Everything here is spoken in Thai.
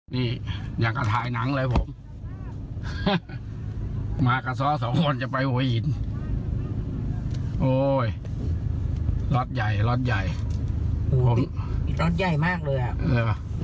เต็มสูงเท่าหลังคารถเลย